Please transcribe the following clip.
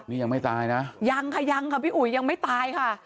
นี่ยังไม่ตายนะยังค่ะยังค่ะพี่อุ๋ยยังไม่ตายค่ะ